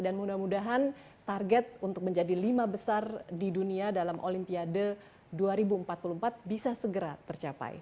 mudah mudahan target untuk menjadi lima besar di dunia dalam olimpiade dua ribu empat puluh empat bisa segera tercapai